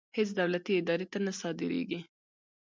هېڅ دولتي ادارې ته نه صادرېږي.